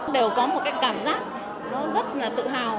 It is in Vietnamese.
đều có một cái cảm giác nó rất là tự hào